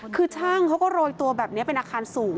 คือช่างเขาก็โรยตัวแบบนี้เป็นอาคารสูง